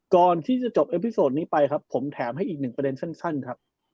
ก่อนที่จะจบเอ็มพิโซดนี้ไปครับผมแถมให้อีกหนึ่งประเด็นสั้นครับ